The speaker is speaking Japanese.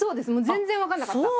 全然分かんなかった。